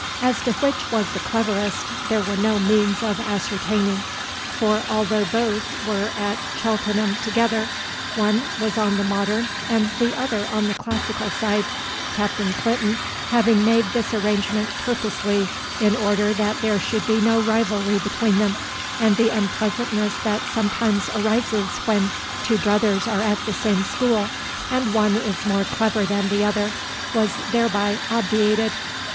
As to which was the cleverest, there were no means of ascertaining; for although both were at Cheltenham together, one was on the modern and the other on the classical side, Captain Clinton having made this arrangement purposely in order that there should be no rivalry between them, and the unpleasantness that sometimes arises when two brothers are at the same school, and one is more clever than the other, was thereby obviated.